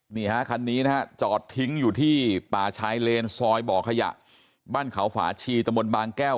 นี่ฮะคันนี้นะฮะจอดทิ้งอยู่ที่ป่าชายเลนซอยบ่อขยะบ้านเขาฝาชีตะมนต์บางแก้ว